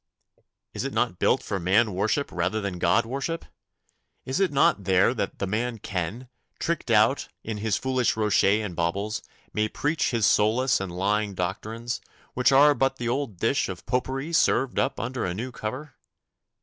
Is it not built for man worship rather than God worship? Is it not there that the man Ken, tricked out in his foolish rochet and baubles, may preach his soulless and lying doctrines, which are but the old dish of Popery served up under a new cover?